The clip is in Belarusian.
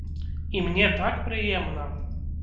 І мне так прыемна.